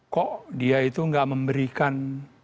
kok dia itu gak memberikan